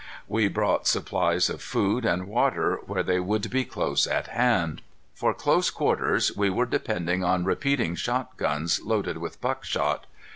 We brought supplies of food and water where they would be close at hand. For close quarters, we were depending on repeating shotguns loaded with buckshot.